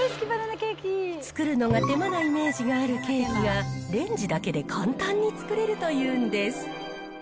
作るのが手間なイメージがあるケーキが、レンジだけで簡単に作れるというんです。